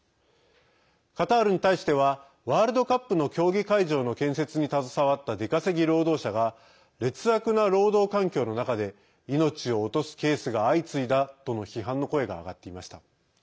カタールに対してはワールドカップの競技会場の建設に携わった出稼ぎ労働者が劣悪な労働環境の中で命を落とすケースが相次いだとの批判の声が上がっていました。